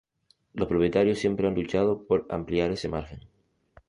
los propietarios siempre han luchado por ampliar ese margen